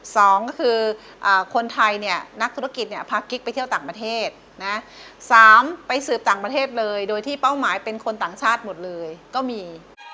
สองก็คือคนไทยเนี่ยนักธุรกิจเนี่ยพากิ๊กไปเที่ยวต่างประเทศนะสามไปสืบต่างประเทศเลยโดยที่เป้าหมายเป็นคนต่างชาติหมดเลยก็มี